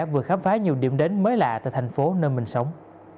vừa khám phá nhiều điểm đến mới lạ tại thành phố nơi mình sống